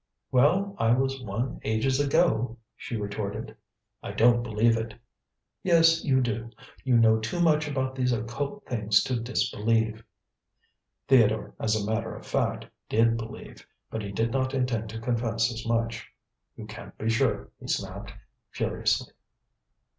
"Well. I was one ages ago," she retorted. "I don't believe it." "Yes, you do. You know too much about these occult things to disbelieve." Theodore, as a matter of fact, did believe, but he did not intend to confess as much. "You can't be sure," he snapped, furiously.